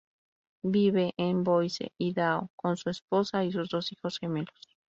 Vive en Boise, Idaho con su esposa y sus dos hijos gemelos.